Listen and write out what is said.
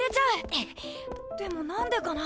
でもなんでかな？